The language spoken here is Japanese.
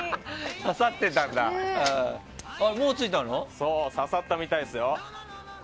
刺さったみたいですよ。